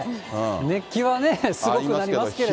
熱気はね、すごくなりますけれども。